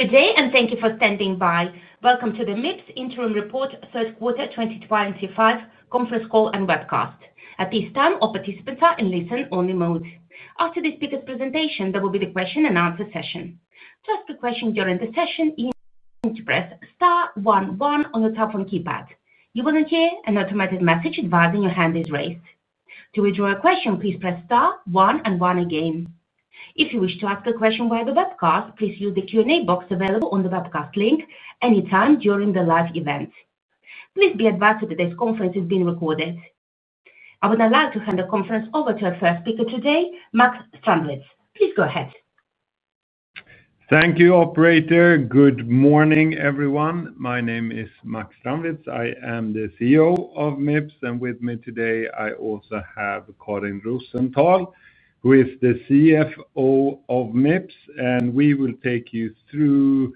Today, and thank you for standing by. Welcome to the Mips interim report, third quarter 2025, conference call and webcast. At this time, all participants are in listen-only mode. After the speaker's presentation, there will be the question and answer session. To ask a question during the session, you need to press star one one on your telephone keypad. You will hear an automated message advising your hand is raised. To withdraw a question, please press star one and one again. If you wish to ask a question via the webcast, please use the Q&A box available on the webcast link anytime during the live event. Please be advised that today's conference is being recorded. I would now like to hand the conference over to our first speaker today, Max Strandwitz. Please go ahead. Thank you, operator. Good morning, everyone. My name is Max Strandwitz. I am the CEO of Mips. With me today, I also have Karin Rosenthal, who is the CFO of Mips. We will take you through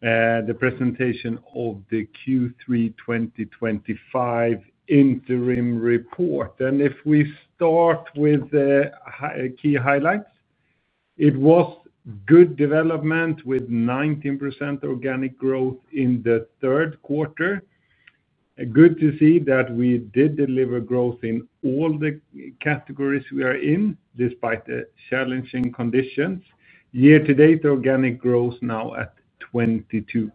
the presentation of the Q3 2025 interim report. If we start with the key highlights, it was good development with 19% organic growth in the third quarter. Good to see that we did deliver growth in all the categories we are in despite the challenging conditions. Year-to-date, organic growth now at 22%.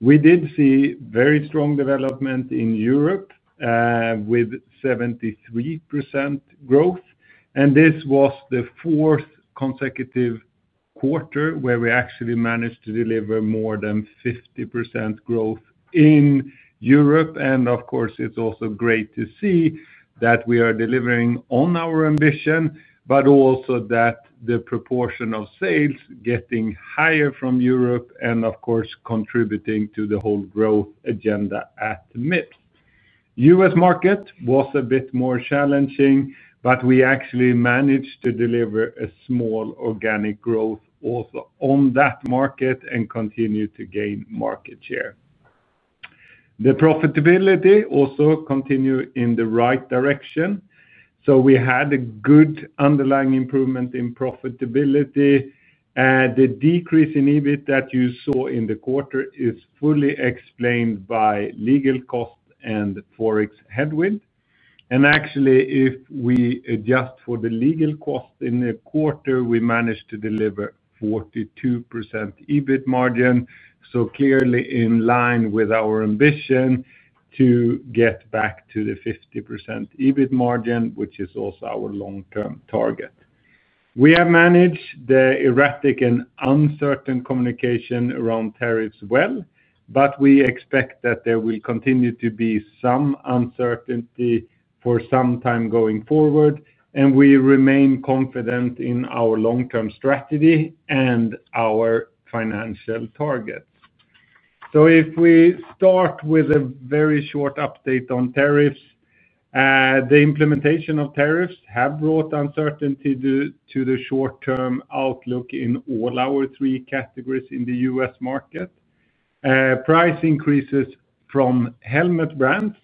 We did see very strong development in Europe, with 73% growth. This was the fourth consecutive quarter where we actually managed to deliver more than 50% growth in Europe. Of course, it's also great to see that we are delivering on our ambition, but also that the proportion of sales getting higher from Europe and, of course, contributing to the whole growth agenda at Mips. The U.S. market was a bit more challenging, but we actually managed to deliver a small organic growth also on that market and continue to gain market share. The profitability also continued in the right direction. We had a good underlying improvement in profitability. The decrease in EBIT that you saw in the quarter is fully explained by legal costs and Forex headwind. Actually, if we adjust for the legal costs in the quarter, we managed to deliver 42% EBIT margin. Clearly in line with our ambition to get back to the 50% EBIT margin, which is also our long-term target. We have managed the erratic and uncertain communication around tariffs well, but we expect that there will continue to be some uncertainty for some time going forward. We remain confident in our long-term strategy and our financial targets. If we start with a very short update on tariffs, the implementation of tariffs has brought uncertainty to the short-term outlook in all our three categories in the U.S. market. Price increases from helmet brands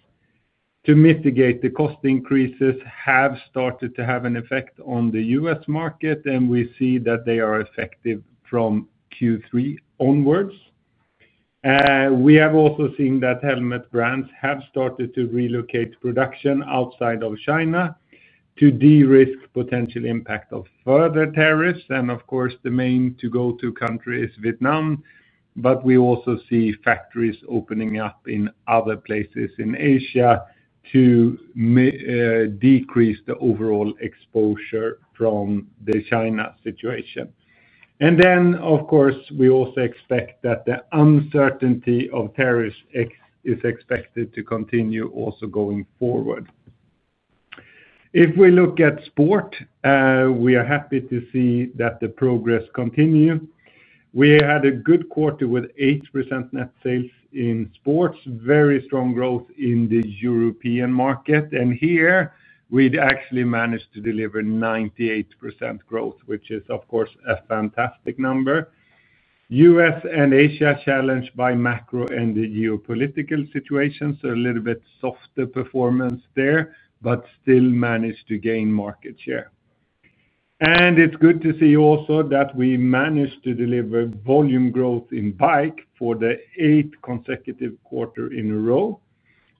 to mitigate the cost increases have started to have an effect on the U.S. market, and we see that they are effective from Q3 onwards. We have also seen that helmet brands have started to relocate production outside of China to de-risk the potential impact of further tariffs. The main to-go-to country is Vietnam, but we also see factories opening up in other places in Asia to decrease the overall exposure from the China situation. We also expect that the uncertainty of tariffs is expected to continue also going forward. If we look at sport, we are happy to see that the progress continues. We had a good quarter with 8% net sales in sport, very strong growth in the European market. Here, we actually managed to deliver 98% growth, which is, of course, a fantastic number. U.S. and Asia are challenged by macro and the geopolitical situation, so a little bit softer performance there, but still managed to gain market share. It is good to see also that we managed to deliver volume growth in bike for the eighth consecutive quarter in a row.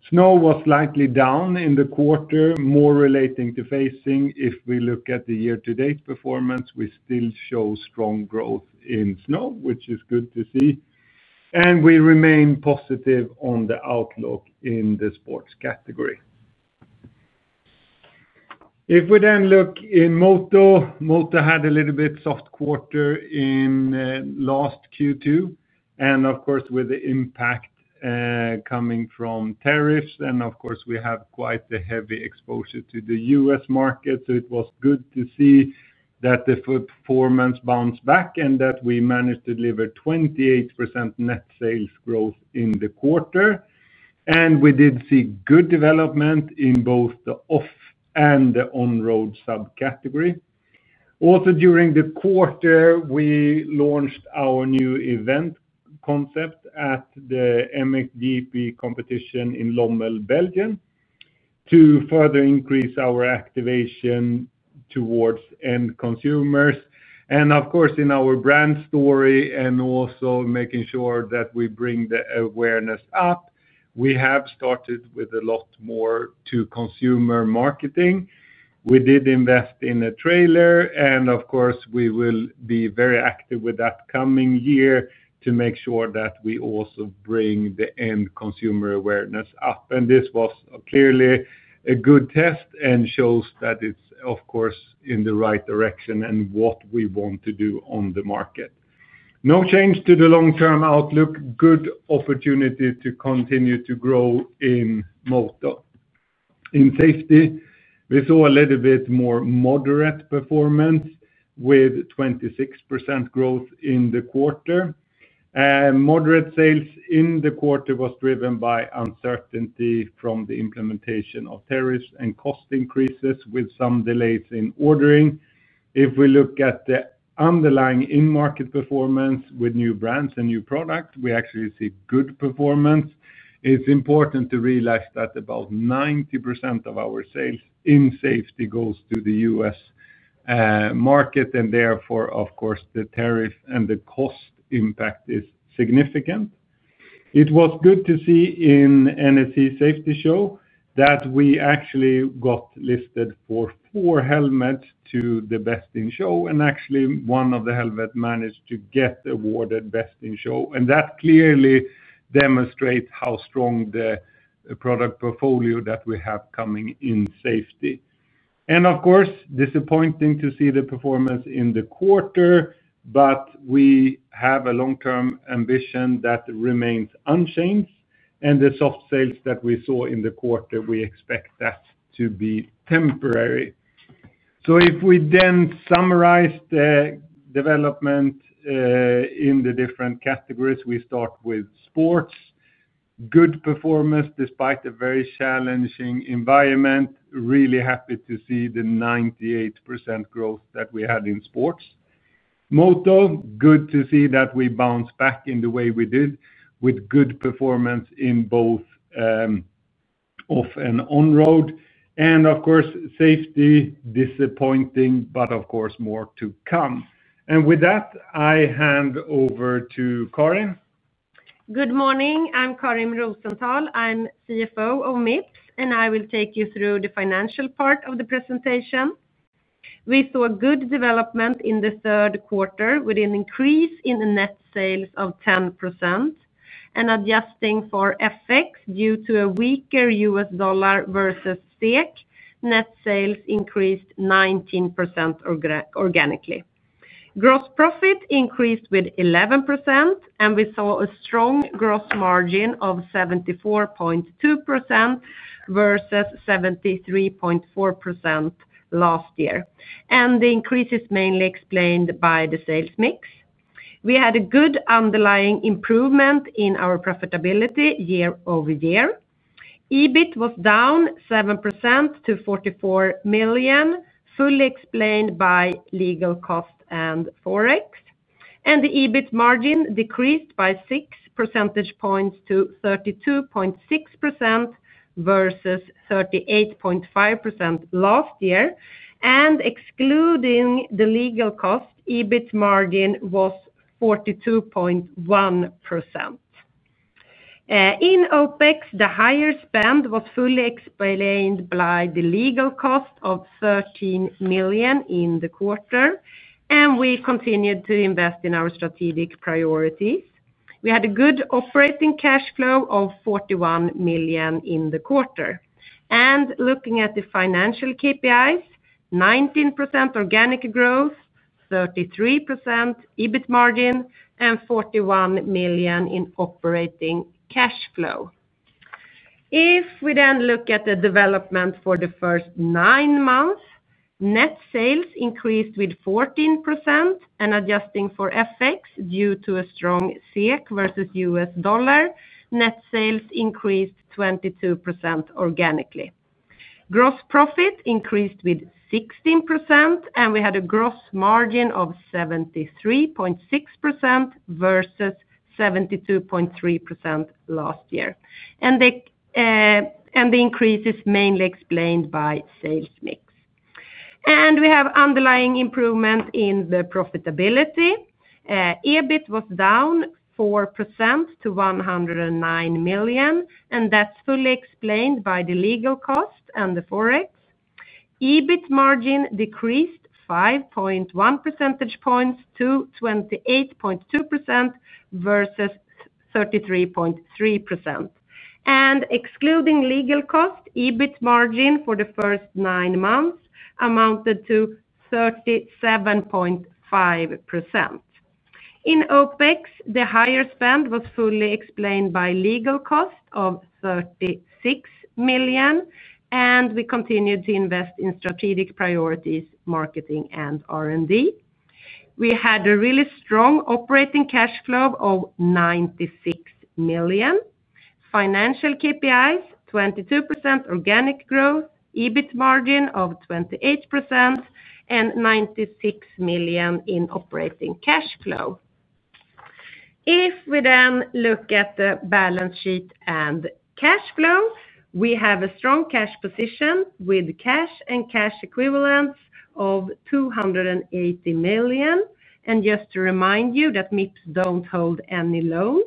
Snow was slightly down in the quarter, more relating to facing. If we look at the year-to-date performance, we still show strong growth in snow, which is good to see. We remain positive on the outlook in the sport category. If we then look in moto, moto had a little bit of a soft quarter in the last Q2. With the impact coming from tariffs, and we have quite a heavy exposure to the U.S. market. It was good to see that the performance bounced back and that we managed to deliver 28% net sales growth in the quarter. We did see good development in both the off- and the on-road subcategory. Also, during the quarter, we launched our new event concept at the MXGP competition in Lommel, Belgium, to further increase our activation towards end consumers. In our brand story and also making sure that we bring the awareness up, we have started with a lot more to consumer marketing. We did invest in a trailer, and we will be very active with that coming year to make sure that we also bring the end consumer awareness up. This was clearly a good test and shows that it is, of course, in the right direction and what we want to do on the market. No change to the long-term outlook. Good opportunity to continue to grow in moto. In safety, we saw a little bit more moderate performance with 26% growth in the quarter. Moderate sales in the quarter were driven by uncertainty from the implementation of tariffs and cost increases with some delays in ordering. If we look at the underlying in-market performance with new brands and new products, we actually see good performance. It is important to realize that about 90% of our sales in safety goes to the U.S. market, and therefore, the tariff and the cost impact is significant. It was good to see in the NSC Safety Show that we actually got listed for four helmets to the Best in Show, and actually, one of the helmets managed to get awarded Best in Show. That clearly demonstrates how strong the product portfolio that we have coming in safety. Of course, disappointing to see the performance in the quarter, but we have a long-term ambition that remains unchanged. The soft sales that we saw in the quarter, we expect that to be temporary. If we then summarize the development in the different categories, we start with sports. Good performance despite a very challenging environment. Really happy to see the 98% growth that we had in sports. Moto, good to see that we bounced back in the way we did with good performance in both off and on road. Of course, safety, disappointing, but of course, more to come. With that, I hand over to Karin. Good morning. I'm Karin Rosenthal. I'm CFO of Mips. I will take you through the financial part of the presentation. We saw good development in the third quarter with an increase in net sales of 10%. Adjusting for FX due to a weaker U.S. dollar versus SEK, net sales increased 19% organically. Gross profit increased with 11%. We saw a strong gross margin of 74.2% versus 73.4% last year. The increase is mainly explained by the sales mix. We had a good underlying improvement in our profitability year-over-year. EBIT was down 7% to 44 million, fully explained by legal costs and Forex. The EBIT margin decreased by 6 percentage points to 32.6% versus 38.5% last year. Excluding the legal cost, EBIT margin was 42.1%. In OpEx, the higher spend was fully explained by the legal cost of 13 million in the quarter. We continued to invest in our strategic priorities. We had a good operating cash flow of 41 million in the quarter. Looking at the financial KPIs, 19% organic growth, 33% EBIT margin, and 41 million in operating cash flow. If we then look at the development for the first nine months, net sales increased with 14%. Adjusting for FX due to a strong SEK versus U.S. dollar, net sales increased 22% organically. Gross profit increased with 16%. We had a gross margin of 73.6% versus 72.3% last year. The increase is mainly explained by sales mix. We have underlying improvement in the profitability. EBIT was down 4% to 109 million. That's fully explained by the legal costs and the Forex. EBIT margin decreased 5.1 percentage points to 28.2% versus 33.3%. Excluding legal costs, EBIT margin for the first nine months amounted to 37.5%. In OpEx, the higher spend was fully explained by legal costs of 36 million. We continued to invest in strategic priorities, marketing, and R&D. We had a really strong operating cash flow of 96 million. Financial KPIs, 22% organic growth, EBIT margin of 28%, and 96 million in operating cash flow. If we then look at the balance sheet and cash flow, we have a strong cash position with cash and cash equivalents of 280 million. Just to remind you that Mips doesn't hold any loans.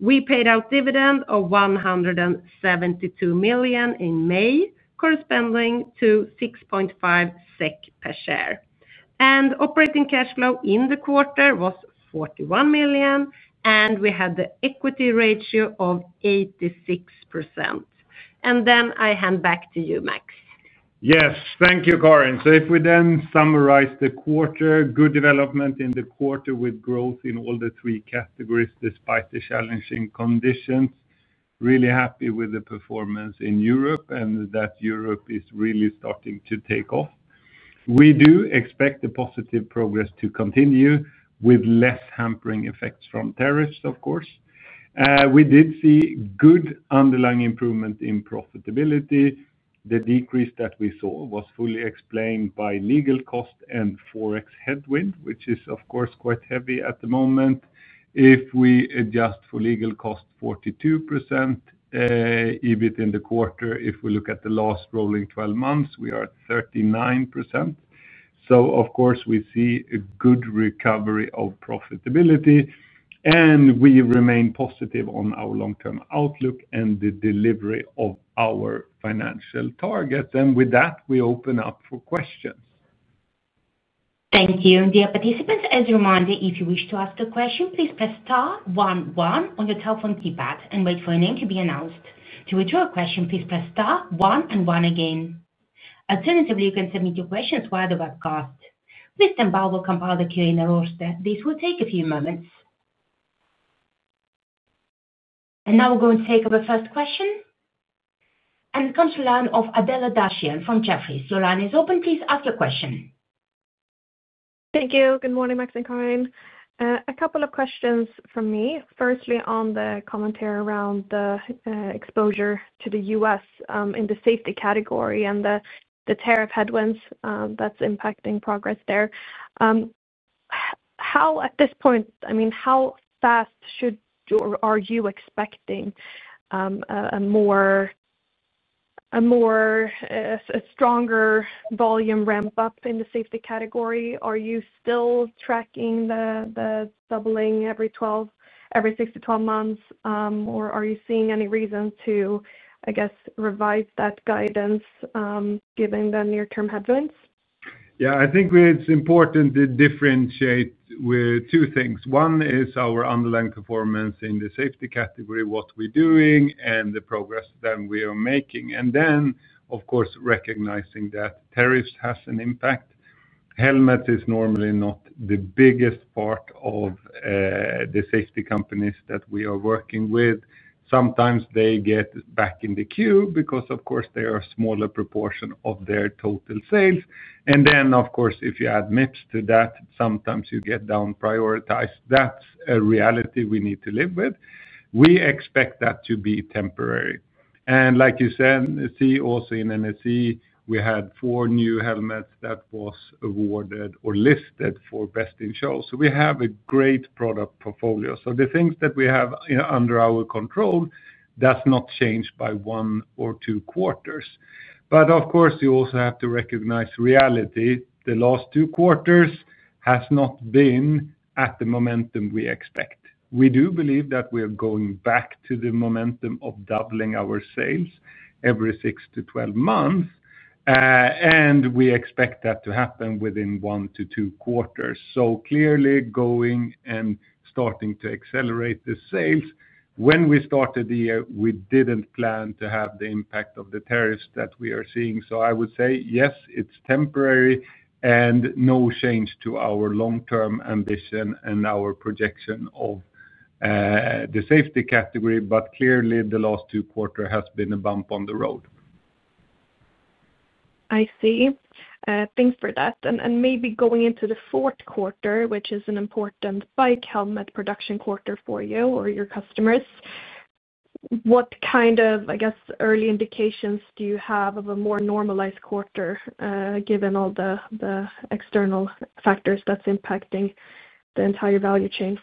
We paid out dividends of 172 million in May, corresponding to 6.5 SEK per share. Operating cash flow in the quarter was 41 million. We had the equity ratio of 86%. Then I hand back to you, Max. Yes. Thank you, Karin. If we then summarize the quarter, good development in the quarter with growth in all the three categories despite the challenging conditions. Really happy with the performance in Europe and that Europe is really starting to take off. We do expect the positive progress to continue with less hampering effects from tariffs, of course. We did see good underlying improvement in profitability. The decrease that we saw was fully explained by legal costs and Forex headwind, which is, of course, quite heavy at the moment. If we adjust for legal costs, 42% EBIT in the quarter. If we look at the last rolling 12 months, we are at 39%. We see a good recovery of profitability. We remain positive on our long-term outlook and the delivery of our financial targets. With that, we open up for questions. Thank you. Dear participants, as a reminder, if you wish to ask a question, please press star one one on your telephone keypad and wait for your name to be announced. To withdraw a question, please press star one and one again. Alternatively, you can submit your questions via the webcast. Ms. Tamba will compile the Q&A roster. This will take a few moments. We are going to take up the first question. It comes to the line of Adela Dashian from Jefferies. The line is open. Please ask your question. Thank you. Good morning, Max and Karin. A couple of questions from me. Firstly, on the commentary around the exposure to the U.S. in the safety category and the tariff headwinds that's impacting progress there. How, at this point, how fast should you or are you expecting a more stronger volume ramp up in the safety category? Are you still tracking the doubling every 6 to 12 months? Are you seeing any reason to, I guess, revive that guidance given the near-term headwinds? I think it's important to differentiate with two things. One is our underlying performance in the safety category, what we're doing, and the progress that we are making. Of course, recognizing that tariffs have an impact. Helmets are normally not the biggest part of the safety companies that we are working with. Sometimes they get back in the queue because they are a smaller proportion of their total sales. If you add Mips to that, sometimes you get down-prioritized. That's a reality we need to live with. We expect that to be temporary. Like you said, see also in NSC, we had four new helmets that were awarded or listed for Best in Show. We have a great product portfolio. The things that we have under our control do not change by one or two quarters. Of course, you also have to recognize reality. The last two quarters have not been at the momentum we expect. We do believe that we are going back to the momentum of doubling our sales every 6 to 12 months. We expect that to happen within one to two quarters, clearly going and starting to accelerate the sales. When we started the year, we didn't plan to have the impact of the tariffs that we are seeing. I would say, yes, it's temporary and no change to our long-term ambition and our projection of the safety category. Clearly, the last two quarters have been a bump on the road. I see. Thanks for that. Maybe going into the fourth quarter, which is an important bike helmet production quarter for you or your customers, what kind of early indications do you have of a more normalized quarter given all the external factors that's impacting the entire value chain?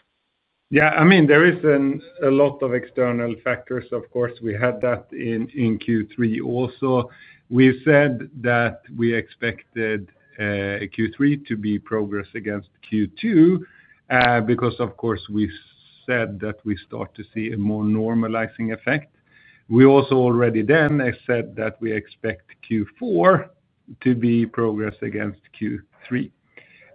Yeah. I mean, there are a lot of external factors. Of course, we had that in Q3 also. We said that we expected Q3 to be progress against Q2 because, of course, we said that we start to see a more normalizing effect. We also already then said that we expect Q4 to be progress against Q3.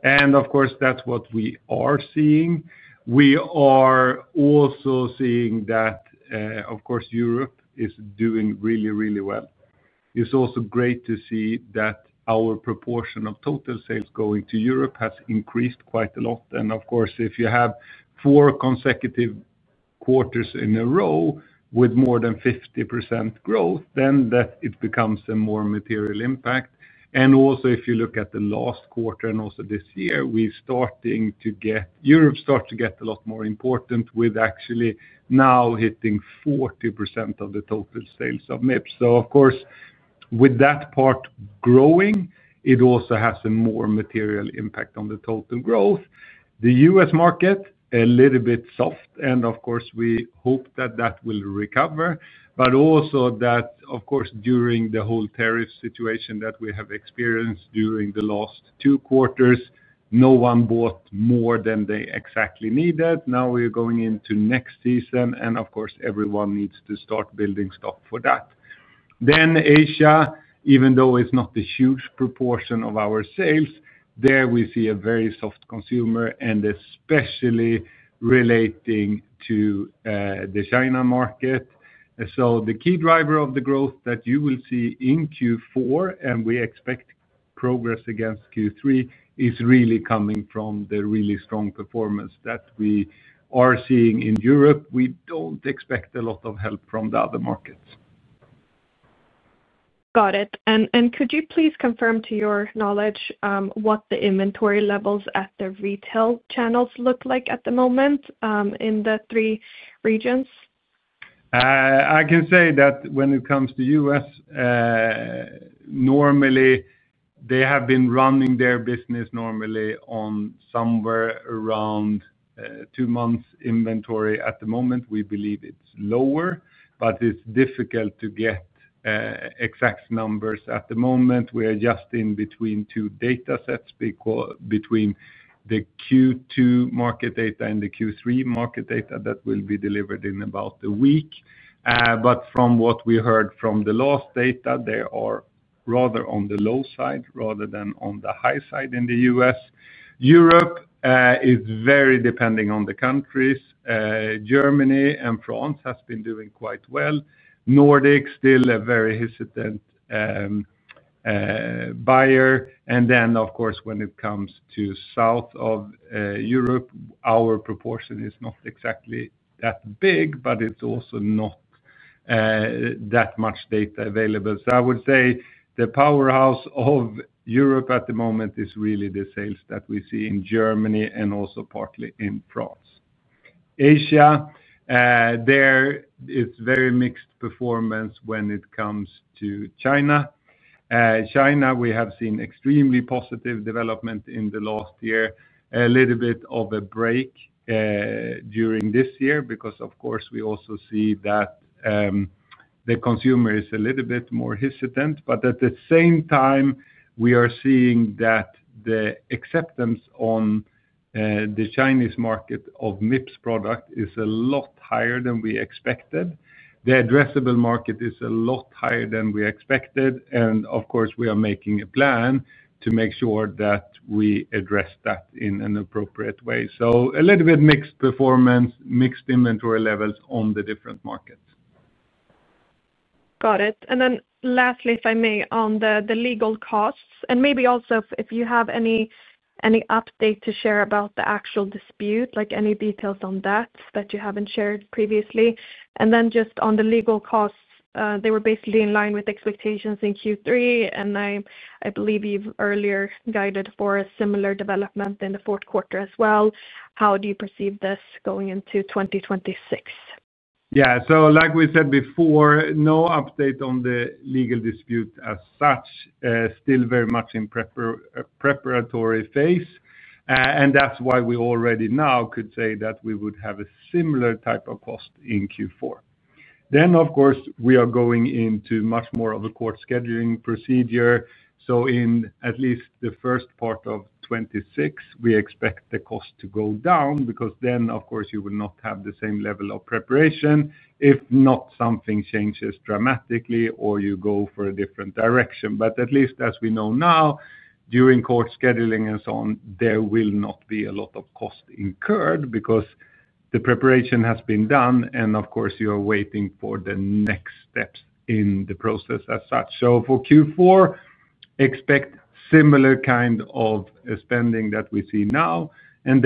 That's what we are seeing. We are also seeing that, of course, Europe is doing really, really well. It's also great to see that our proportion of total sales going to Europe has increased quite a lot. If you have four consecutive quarters in a row with more than 50% growth, then it becomes a more material impact. Also, if you look at the last quarter and also this year, we're starting to get Europe starts to get a lot more important with actually now hitting 40% of the total sales of Mips. Of course, with that part growing, it also has a more material impact on the total growth. The U.S. market is a little bit soft. We hope that that will recover. Also, during the whole tariff situation that we have experienced during the last two quarters, no one bought more than they exactly needed. Now we are going into next season. Of course, everyone needs to start building stock for that. Asia, even though it's not a huge proportion of our sales, there we see a very soft consumer and especially relating to the China market. The key driver of the growth that you will see in Q4, and we expect progress against Q3, is really coming from the really strong performance that we are seeing in Europe. We don't expect a lot of help from the other markets. Got it. Could you please confirm, to your knowledge, what the inventory levels at the retail channels look like at the moment in the three regions? I can say that when it comes to the U.S., normally, they have been running their business normally on somewhere around two months inventory. At the moment, we believe it's lower, but it's difficult to get exact numbers at the moment. We are just in between two data sets between the Q2 market data and the Q3 market data that will be delivered in about a week. From what we heard from the last data, they are rather on the low side rather than on the high side in the U.S. Europe is very dependent on the countries. Germany and France have been doing quite well. Nordic is still a very hesitant buyer. When it comes to South of Europe, our proportion is not exactly that big, but it's also not that much data available. I would say the powerhouse of Europe at the moment is really the sales that we see in Germany and also partly in France. Asia, there is very mixed performance when it comes to China. China, we have seen extremely positive development in the last year, a little bit of a break during this year because, of course, we also see that the consumer is a little bit more hesitant. At the same time, we are seeing that the acceptance on the Chinese market of Mips products is a lot higher than we expected. The addressable market is a lot higher than we expected. We are making a plan to make sure that we address that in an appropriate way. A little bit mixed performance, mixed inventory levels on the different markets. Got it. Lastly, if I may, on the legal costs and maybe also if you have any update to share about the actual dispute, like any details on that that you haven't shared previously. Just on the legal costs, they were basically in line with expectations in Q3. I believe you've earlier guided for a similar development in the fourth quarter as well. How do you perceive this going into 2026? Yeah. Like we said before, no update on the legal dispute as such. Still very much in preparatory phase. That's why we already now could say that we would have a similar type of cost in Q4. Of course, we are going into much more of a court scheduling procedure. In at least the first part of 2026, we expect the cost to go down because you will not have the same level of preparation if not something changes dramatically or you go for a different direction. At least as we know now, during court scheduling and so on, there will not be a lot of cost incurred because the preparation has been done. You are waiting for the next steps in the process as such. For Q4, expect a similar kind of spending that we see now. As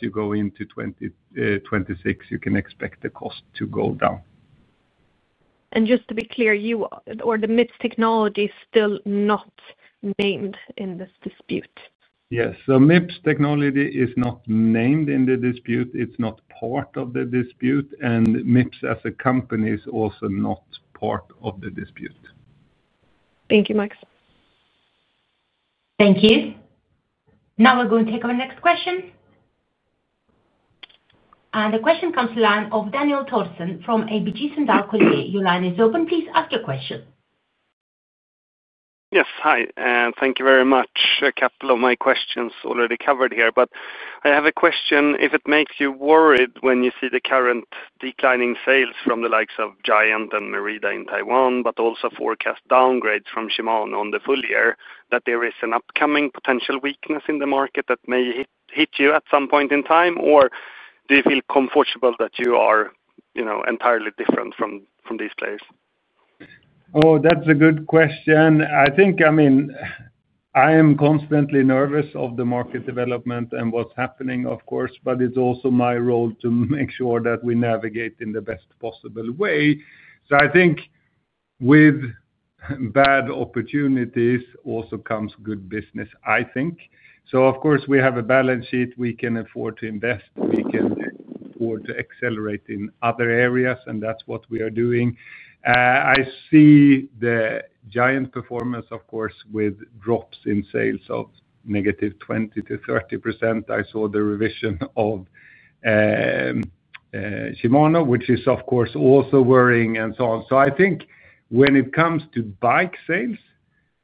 you go into 2026, you can expect the cost to go down. To be clear, you or the Mips technology is still not named in this dispute. Yes. Mips technology is not named in the dispute. It's not part of the dispute, and Mips as a company is also not part of the dispute. Thank you, Max. Thank you. Now we're going to take our next question. The question comes to the line of Daniel Thorsson from ABG Sundal Collier. Your line is open. Please ask your question. Yes. Hi. Thank you very much. A couple of my questions already covered here. I have a question. If it makes you worried when you see the current declining sales from the likes of Giant and Merida in Taiwan, but also forecast downgrades from Shimano on the full year, that there is an upcoming potential weakness in the market that may hit you at some point in time, or do you feel comfortable that you are entirely different from these players? Oh, that's a good question. I think, I mean, I am constantly nervous of the market development and what's happening, of course, but it's also my role to make sure that we navigate in the best possible way. I think with bad opportunities also comes good business, I think. Of course, we have a balance sheet. We can afford to invest. We can afford to accelerate in other areas, and that's what we are doing. I see the Giant performance, of course, with drops in sales of negative 20%-30%. I saw the revision of Shimano, which is, of course, also worrying and so on. I think when it comes to bike sales,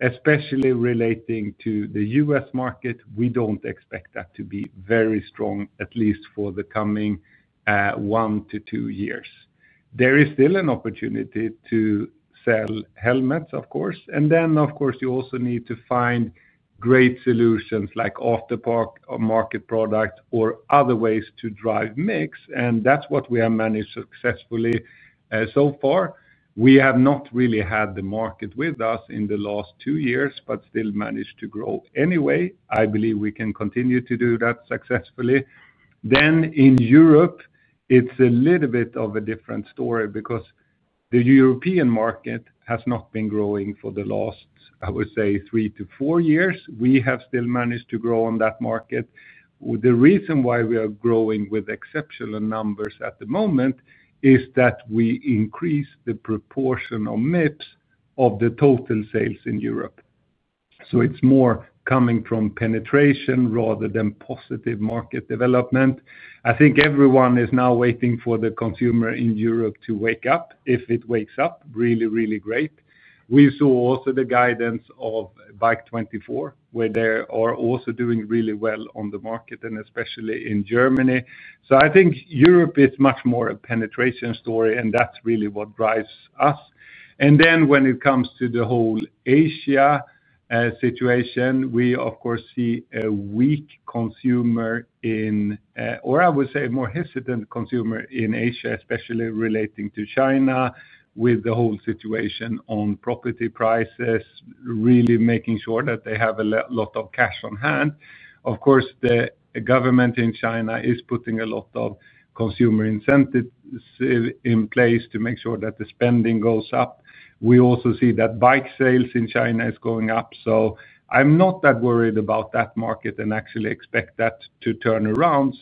especially relating to the U.S. market, we don't expect that to be very strong, at least for the coming one to two years. There is still an opportunity to sell helmets, of course. You also need to find great solutions like aftermarket products or other ways to drive Mips, and that's what we have managed successfully so far. We have not really had the market with us in the last two years, but still managed to grow anyway. I believe we can continue to do that successfully. In Europe, it's a little bit of a different story because the European market has not been growing for the last, I would say, three to four years. We have still managed to grow on that market. The reason why we are growing with exceptional numbers at the moment is that we increased the proportion of Mips of the total sales in Europe. It's more coming from penetration rather than positive market development. I think everyone is now waiting for the consumer in Europe to wake up. If it wakes up, really, really great. We saw also the guidance of Bike24, where they are also doing really well on the market and especially in Germany. I think Europe is much more a penetration story, and that's really what drives us. When it comes to the whole Asia situation, we, of course, see a weak consumer in, or I would say, a more hesitant consumer in Asia, especially relating to China with the whole situation on property prices, really making sure that they have a lot of cash on hand. Of course, the government in China is putting a lot of consumer incentives in place to make sure that the spending goes up. We also see that bike sales in China are going up. I'm not that worried about that market and actually expect that to turn around.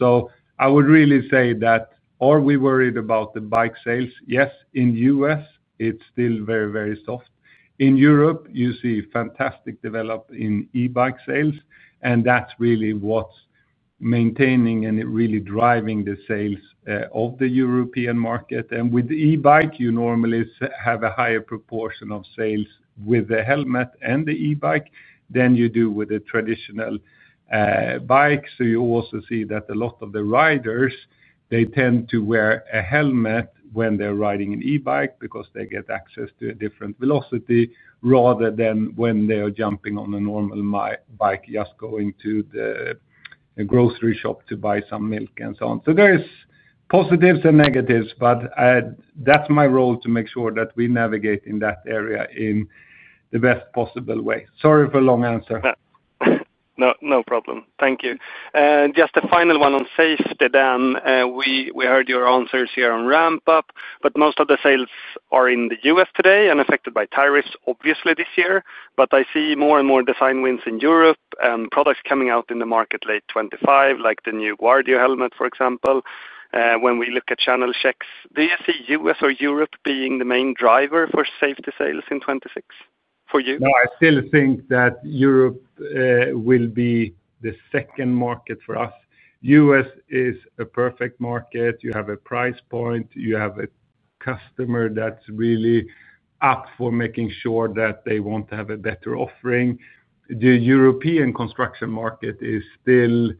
I would really say that are we worried about the bike sales? Yes. In the U.S., it's still very, very soft. In Europe, you see fantastic development in e-bike sales, and that's really what's maintaining and really driving the sales of the European market. With e-bike, you normally have a higher proportion of sales with the helmet and the e-bike than you do with a traditional bike. You also see that a lot of the riders tend to wear a helmet when they're riding an e-bike because they get access to a different velocity rather than when they are jumping on a normal bike, just going to the grocery shop to buy some milk and so on. There are positives and negatives, but that's my role to make sure that we navigate in that area in the best possible way. Sorry for the long answer. No problem. Thank you. Just a final one on safety then. We heard your answers here on ramp-up, but most of the sales are in the U.S. today and affected by tariffs, obviously, this year. I see more and more design wins in Europe and products coming out in the market late 2025, like the new Guardio helmet, for example. When we look at channel checks, do you see the U.S. or Europe being the main driver for safety sales in 2026 for you? No, I still think that Europe will be the second market for us. U.S. is a perfect market. You have a price point. You have a customer that's really up for making sure that they want to have a better offering. The European construction market is still,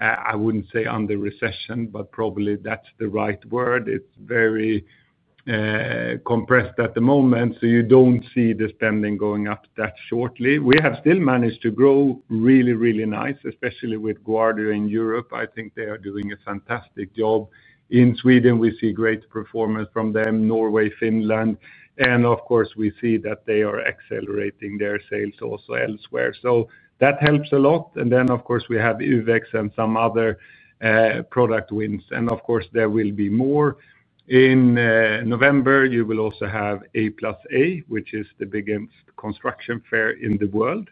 I wouldn't say, under recession, but probably that's the right word. It's very compressed at the moment. You don't see the spending going up that shortly. We have still managed to grow really, really nice, especially with Guardio in Europe. I think they are doing a fantastic job. In Sweden, we see great performance from them, Norway, Finland. Of course, we see that they are accelerating their sales also elsewhere. That helps a lot. Of course, we have UVEX and some other product wins. There will be more. In November, you will also have A+A, which is the biggest construction fair in the world.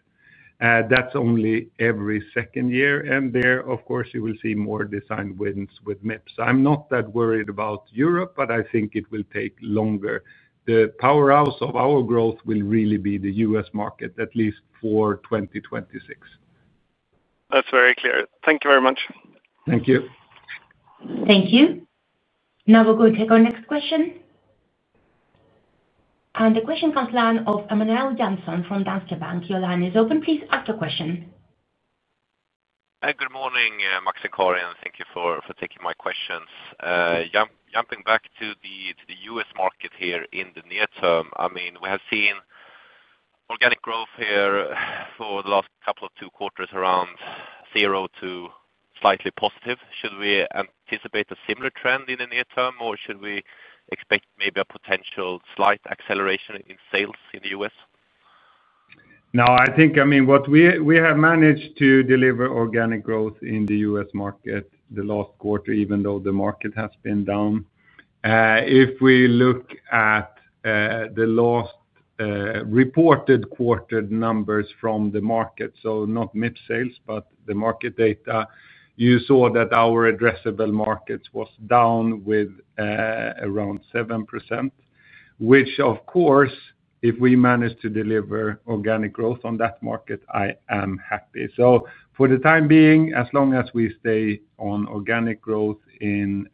That's only every second year. There, you will see more design wins with Mips. I'm not that worried about Europe, but I think it will take longer. The powerhouse of our growth will really be the U.S. market, at least for 2026. That's very clear. Thank you very much. Thank you. Thank you. Now we're going to take our next question. The question comes to the line of Emanuel Jansson from Danske Bank. Your line is open. Please ask your question. Good morning, Max and Karin. Thank you for taking my questions. Jumping back to the U.S. market here in the near term, I mean, we have seen organic growth here for the last couple of quarters around 0 to slightly positive. Should we anticipate a similar trend in the near term, or should we expect maybe a potential slight acceleration in sales in the U.S.? I think what we have managed to deliver is organic growth in the U.S. market the last quarter, even though the market has been down. If we look at the last reported quarter numbers from the market, not Mips sales, but the market data, you saw that our addressable markets were down around 7%, which, of course, if we manage to deliver organic growth on that market, I am happy. For the time being, as long as we stay on organic growth in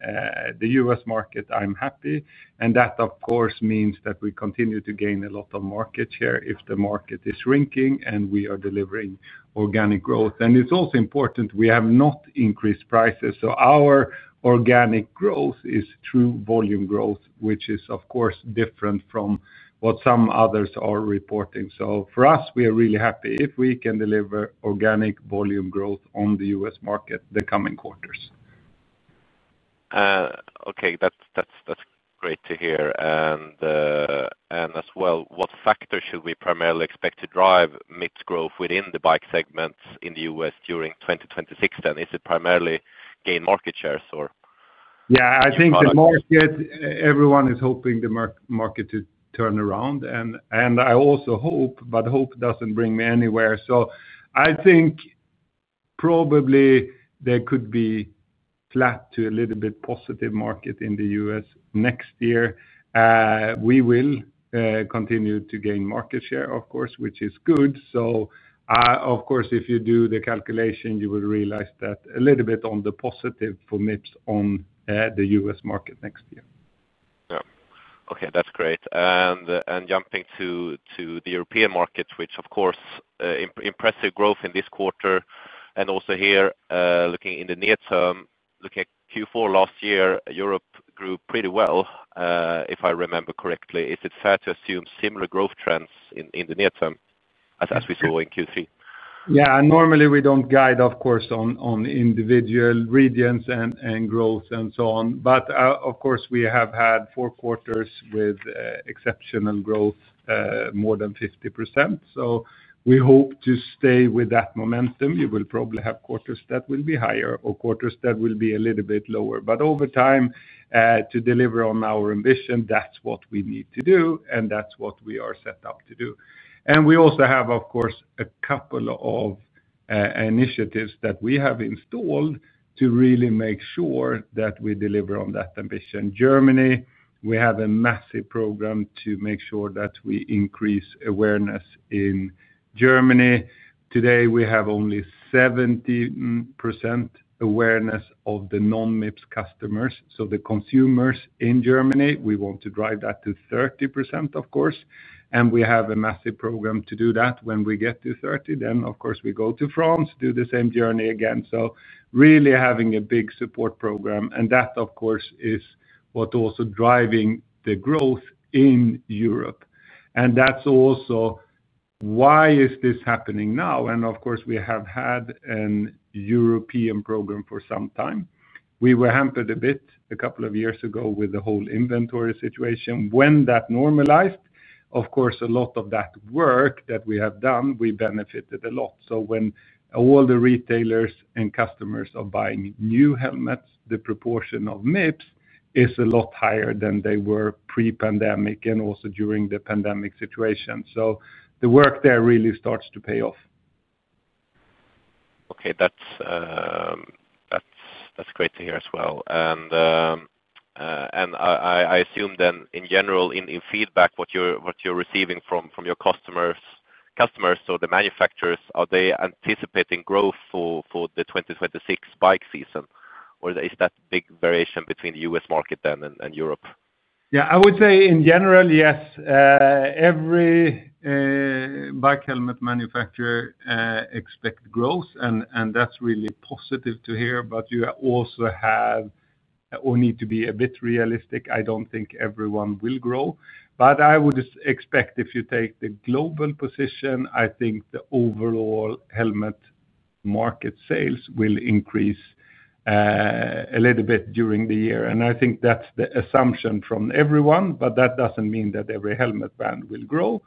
the U.S. market, I'm happy. That, of course, means that we continue to gain a lot of market share if the market is shrinking and we are delivering organic growth. It's also important we have not increased prices, so our organic growth is true volume growth, which is different from what some others are reporting. For us, we are really happy if we can deliver organic volume growth on the U.S. market the coming quarters. That's great to hear. What factors should we primarily expect to drive Mips growth within the bike segments in the U.S. during 2026 then? Is it primarily gain market shares or? I think the market, everyone is hoping the market to turn around. I also hope, but hope doesn't bring me anywhere. I think probably there could be a flat to a little bit positive market in the U.S. next year. We will continue to gain market share, of course, which is good. If you do the calculation, you will realize that a little bit on the positive for Mips on the U.S. market next year. Okay. That's great. Jumping to the European markets, which, of course, impressive growth in this quarter. Also here, looking in the near term, looking at Q4 last year, Europe grew pretty well, if I remember correctly. Is it fair to assume similar growth trends in the near term as we saw in Q3? Yeah. Normally, we don't guide, of course, on individual regions and growth and so on. We have had four quarters with exceptional growth, more than 50%. We hope to stay with that momentum. You will probably have quarters that will be higher or quarters that will be a little bit lower. Over time, to deliver on our ambition, that's what we need to do, and that's what we are set up to do. We also have a couple of initiatives that we have installed to really make sure that we deliver on that ambition. Germany, we have a massive program to make sure that we increase awareness in Germany. Today, we have only 7% awareness of the non-Mips customers. The consumers in Germany, we want to drive that to 30%. We have a massive program to do that. When we get to 30%, we go to France, do the same journey again. Really having a big support program. That is what's also driving the growth in Europe. That is also why this is happening now. We have had a European program for some time. We were hampered a bit a couple of years ago with the whole inventory situation. When that normalized, a lot of that work that we have done, we benefited a lot. When all the retailers and customers are buying new helmets, the proportion of Mips is a lot higher than they were pre-pandemic and also during the pandemic situation. The work there really starts to pay off. Okay. That's great to hear as well. I assume then, in general, in feedback, what you're receiving from your customers, so the manufacturers, are they anticipating growth for the 2026 bike season, or is that a big variation between the U.S. market and Europe? Yeah. I would say, in general, yes. Every bike helmet manufacturer expects growth, and that's really positive to hear. You also have or need to be a bit realistic. I don't think everyone will grow. I would expect, if you take the global position, the overall helmet market sales will increase a little bit during the year. I think that's the assumption from everyone, but that doesn't mean that every helmet brand will grow.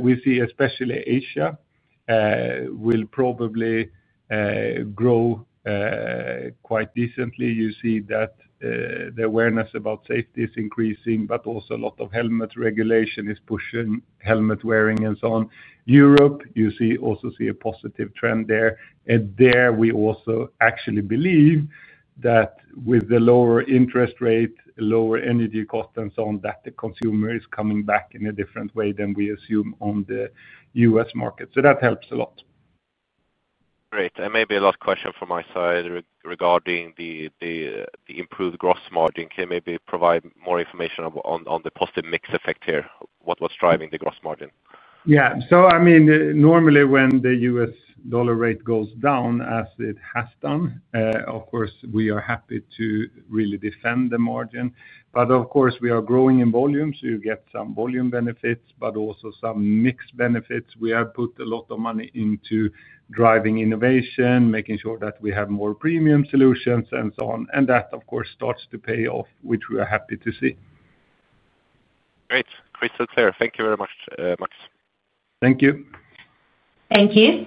We see especially Asia will probably grow quite decently. You see that the awareness about safety is increasing, but also a lot of helmet regulation is pushing helmet wearing and so on. Europe, you also see a positive trend there. We also actually believe that with the lower interest rate, lower energy costs, and so on, the consumer is coming back in a different way than we assume on the U.S. market. That helps a lot. Great. Maybe a last question from my side regarding the improved gross margin. Can you maybe provide more information on the positive mix effect here? What's driving the gross margin? Yeah. I mean, normally, when the U.S. dollar rate goes down, as it has done, of course, we are happy to really defend the margin. Of course, we are growing in volume, so you get some volume benefits, but also some mixed benefits. We have put a lot of money into driving innovation, making sure that we have more premium solutions, and so on. That, of course, starts to pay off, which we are happy to see. Great. Crystal clear. Thank you very much, Max. Thank you. Thank you.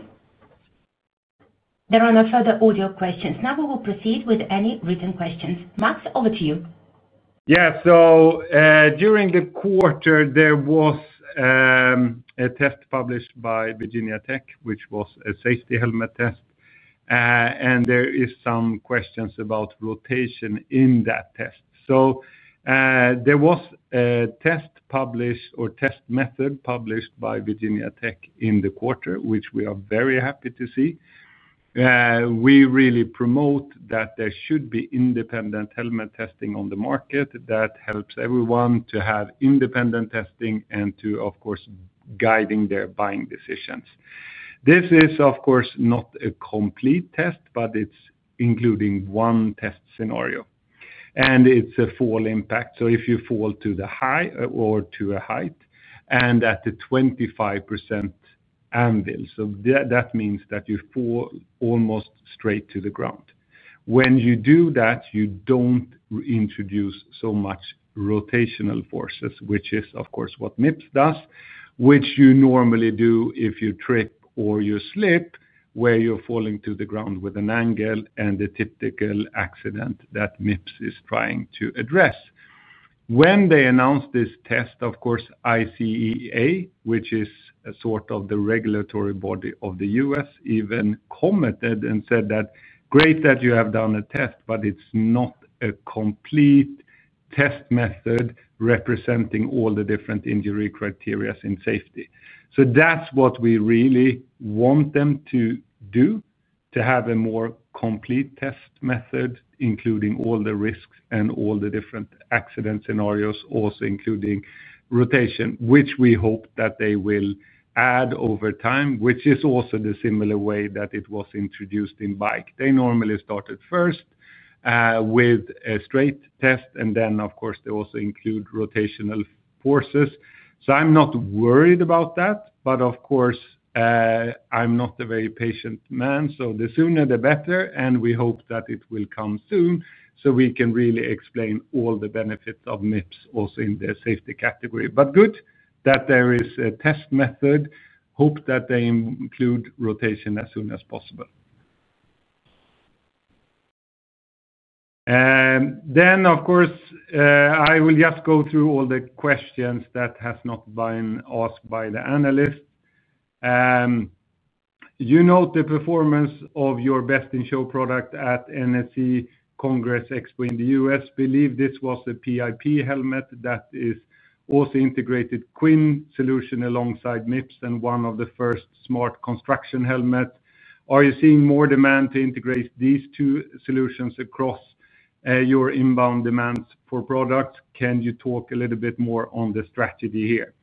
There are no further audio questions. Now we will proceed with any written questions. Max, over to you. Yeah. During the quarter, there was a test published by Virginia Tech, which was a safety helmet test. There are some questions about rotation in that test. There was a test method published by Virginia Tech in the quarter, which we are very happy to see. We really promote that there should be independent helmet testing on the market that helps everyone to have independent testing and to, of course, guide their buying decisions. This is, of course, not a complete test, but it's including one test scenario. It's a fall impact. If you fall to a height and at the 25% anvil, that means that you fall almost straight to the ground. When you do that, you don't introduce so much rotational forces, which is, of course, what Mips does, which you normally do if you trip or you slip, where you're falling to the ground with an angle and the typical accident that Mips is trying to address. When they announced this test, ICA, which is sort of the regulatory body of the U.S., even commented and said, "Great that you have done a test, but it's not a complete test method representing all the different injury criteria in safety." That's what we really want them to do, to have a more complete test method, including all the risks and all the different accident scenarios, also including rotation, which we hope that they will add over time, which is also the similar way that it was introduced in bike. They normally started first with a straight test, and then they also include rotational forces. I'm not worried about that. Of course, I'm not a very patient man. The sooner, the better. We hope that it will come soon so we can really explain all the benefits of Mips also in the safety category. Good that there is a test method. Hope that they include rotation as soon as possible. I will just go through all the questions that have not been asked by the analysts. You note the performance of your Best in Show product at NSC Congress Expo in the U.S. Believe this was a PIP helmet that is also integrated Quinn solution alongside Mips and one of the first smart construction helmets. Are you seeing more demand to integrate these two solutions across your inbound demands for products? Can you talk a little bit more on the strategy here?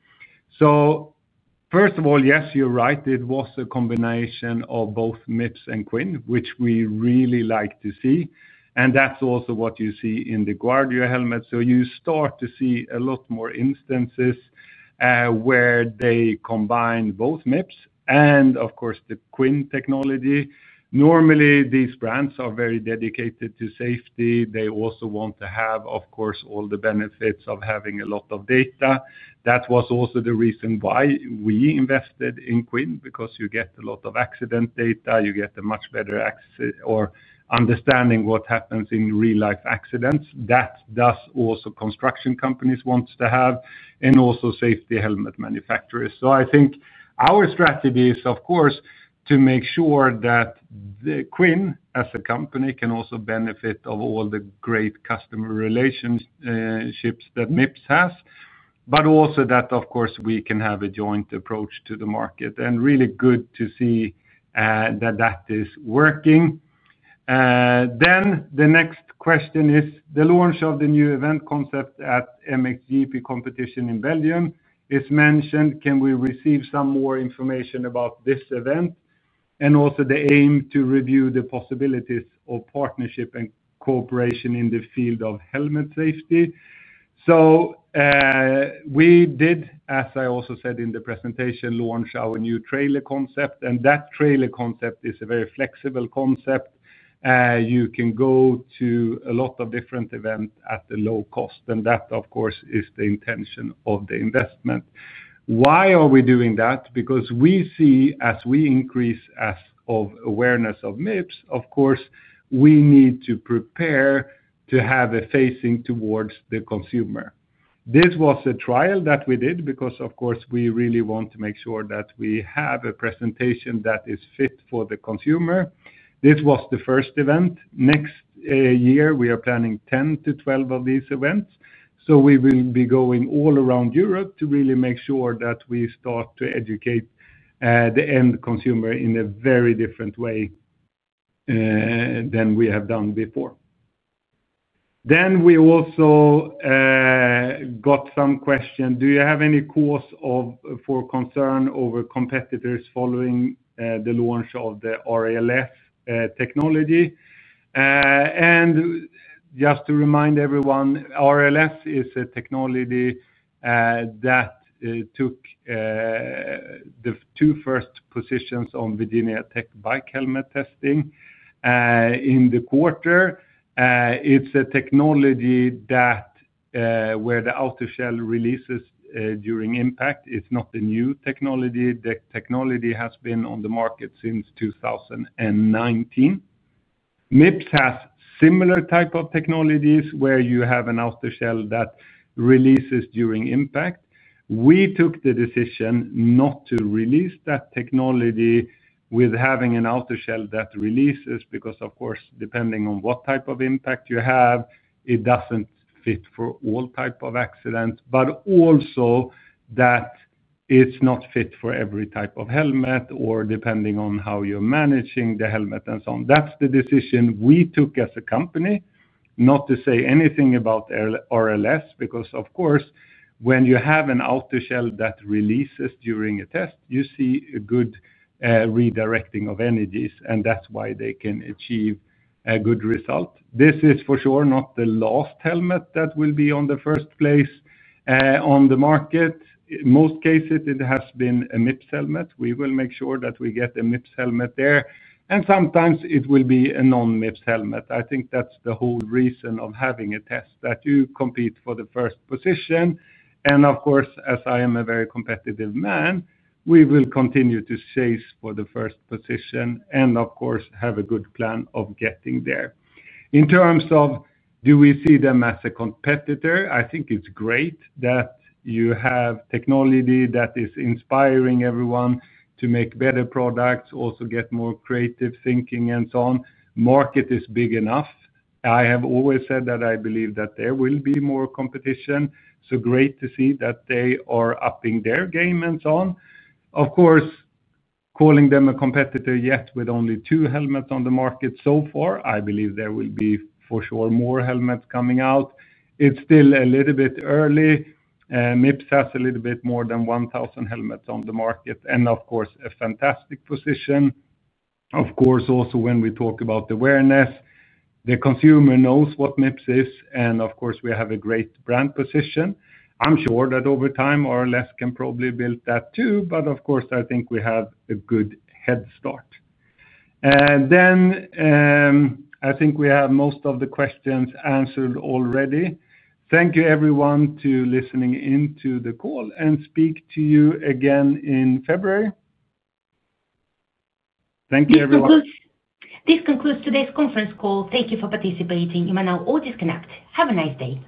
First of all, yes, you're right. It was a combination of both Mips and Quinn, which we really like to see. That's also what you see in the Guardio helmet. You start to see a lot more instances where they combine both Mips and, of course, the Quinn technology. Normally, these brands are very dedicated to safety. They also want to have, of course, all the benefits of having a lot of data. That was also the reason why we invested in Quinn because you get a lot of accident data. You get a much better understanding of what happens in real-life accidents. That is also what construction companies want to have and also safety helmet manufacturers. I think our strategy is, of course, to make sure that Quinn, as a company, can also benefit from all the great customer relationships that Mips has, but also that, of course, we can have a joint approach to the market. It is really good to see that is working. The next question is the launch of the new event concept at the MXGP competition in Belgium is mentioned. Can we receive some more information about this event and also the aim to review the possibilities of partnership and cooperation in the field of helmet safety? As I also said in the presentation, we launched our new trailer concept. That trailer concept is a very flexible concept. You can go to a lot of different events at a low cost. That, of course, is the intention of the investment. Why are we doing that? We see, as we increase the awareness of Mips, of course, we need to prepare to have a facing towards the consumer. This was a trial that we did because, of course, we really want to make sure that we have a presentation that is fit for the consumer. This was the first event. Next year, we are planning 10 to 12 of these events. We will be going all around Europe to really make sure that we start to educate the end consumer in a very different way than we have done before. We also got some questions. Do you have any cause for concern over competitors following the launch of the RLS technology? Just to remind everyone, RLS is a technology that took the two first positions on Virginia Tech bike helmet testing in the quarter. It's a technology where the outer shell releases during impact. It's not a new technology. The technology has been on the market since 2019. Mips has a similar type of technology where you have an outer shell that releases during impact. We took the decision not to release that technology with having an outer shell that releases because, of course, depending on what type of impact you have, it doesn't fit for all types of accidents. It is also not fit for every type of helmet or depending on how you're managing the helmet and so on. That's the decision we took as a company, not to say anything about RLS because, of course, when you have an outer shell that releases during a test, you see a good redirecting of energies. That's why they can achieve a good result. This is for sure not the last helmet that will be in the first place on the market. In most cases, it has been a Mips helmet. We will make sure that we get a Mips helmet there, and sometimes it will be a non-Mips helmet. I think that's the whole reason of having a test, that you compete for the first position. As I am a very competitive man, we will continue to chase for the first position and have a good plan of getting there. In terms of do we see them as a competitor, I think it's great that you have technology that is inspiring everyone to make better products, also get more creative thinking, and so on. The market is big enough. I have always said that I believe that there will be more competition. Great to see that they are upping their game and so on. Calling them a competitor yet with only two helmets on the market so far, I believe there will be for sure more helmets coming out. It's still a little bit early. Mips has a little bit more than 1,000 helmets on the market and a fantastic position. Also, when we talk about awareness, the consumer knows what Mips is, and we have a great brand position. I'm sure that over time, RLS can probably build that too, but I think we have a good head start. I think we have most of the questions answered already. Thank you, everyone, for listening in to the call and speak to you again in February. Thank you, everyone. This concludes today's conference call. Thank you for participating. You may now all disconnect. Have a nice day.